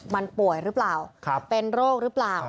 มันป่วยหรือเปล่าเป็นโรคหรือเปล่า